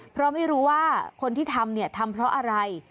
เพราะไม่รู้ว่าคนที่ทำเนี่ยทำทำเพราะอะไร